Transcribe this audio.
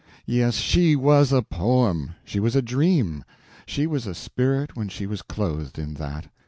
Yes, she was a poem, she was a dream, she was a spirit when she was clothed in that.